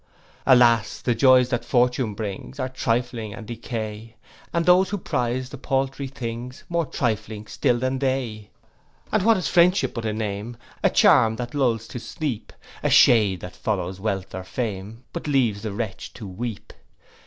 'Alas! the joys that fortune brings, Are trifling and decay; And those who prize the paltry things, More trifling still than they. 'And what is friendship but a name, A charm that lulls to sleep; A shade that follows wealth or fame, But leaves the wretch to weep?